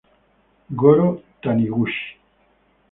Goro Taniguchi